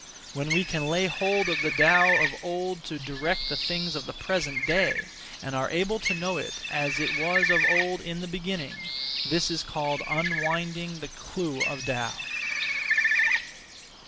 When we can lay hold of the Tao of old to direct the things of the present day, and are able to know it as it was of old in the beginning, this is called (unwinding) the clue of Tao.